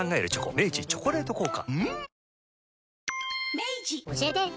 明治「チョコレート効果」